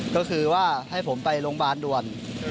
ก็คือว่าให้ผมไปโรงพยาบาลด่วน